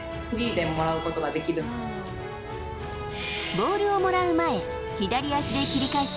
ボールをもらう前左足で切り返し